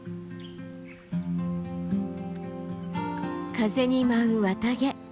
風に舞う綿毛。